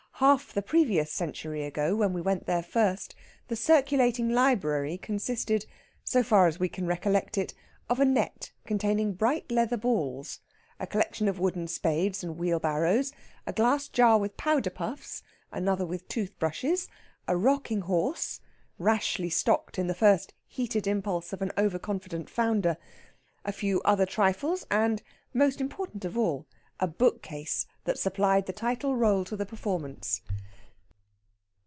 Half the previous century ago, when we went there first, the Circulating Library consisted, so far as we can recollect it, of a net containing bright leather balls, a collection of wooden spades and wheelbarrows, a glass jar with powder puffs, another with tooth brushes, a rocking horse rashly stocked in the first heated impulse of an over confident founder a few other trifles, and, most important of all, a book case that supplied the title rôle to the performance.